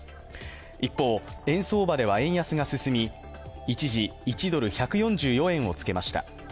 一方、円相場では円安が進み一時、１ドル＝１４４円をつけました。